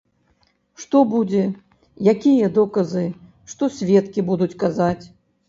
Што будзе, якія доказы, што сведкі будуць казаць.